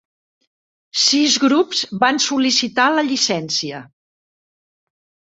Sis grups van sol·licitar la llicència.